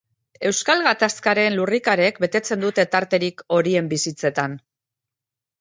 Euskal Gatazkaren lurrikarek betetzen dute tarterik horien bizitzetan.